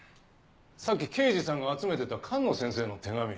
さっき刑事さんが集めてた寒野先生の手紙。